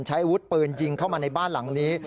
ใช้อาวุธปืนยิงเข้ามาในบ้านหลังนี้